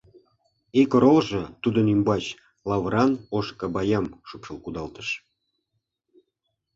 Ик оролжо тудын ӱмбач лавыран ош кабайям шупшыл кудалтыш.